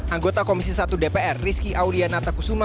anggota komisi satu dpr rizky aulianatakusuma